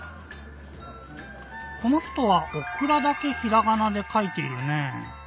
この人は「おくら」だけひらがなでかいているねぇ。